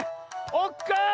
おっか！